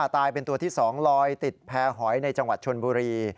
ตายเป็นตัวที่๒ลอยติดแพร่หอยในจังหวัดชนบุรี